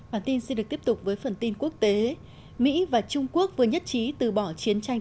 bản tin sẽ được tiếp tục với phần tin quốc tế mỹ và trung quốc vừa nhất trí từ bỏ chiến tranh